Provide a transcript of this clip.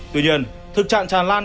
tuy nhiên thực trạng tràn lan